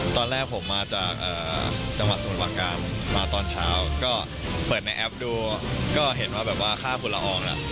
ตอนแรกผมมาจากจังหวัดสมุทรประการมาตอนเช้าก็เปิดในแอปดูก็เห็นว่าแบบว่าค่าฝุ่นละอองเนี่ย